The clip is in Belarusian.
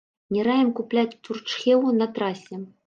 Не раім купляць чурчхелу на трасе.